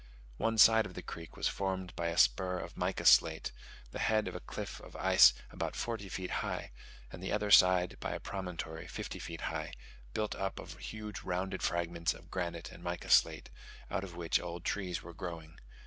One side of the creek was formed by a spur of mica slate; the head by a cliff of ice about forty feet high; and the other side by a promontory fifty feet high, built up of huge rounded fragments of granite and mica slate, out of which old trees were growing.